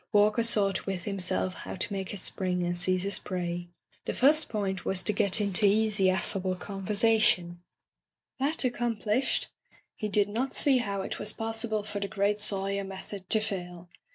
Walker sought with himself how to make his spring and seize his prey. The first point was to get into easy, affable conversation. That accomplished, [ 357 ] Digitized by LjOOQ IC Interventions he did not see how it was possible for the great Sawyer method to fail.